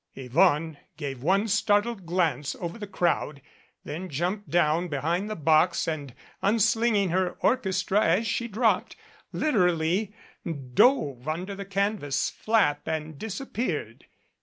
Yvonne gave one startled glance over the crowd, then jumped down behind the box and, unslinging her orchestra as she dropped, literally dove under the canvas flap and disap peared.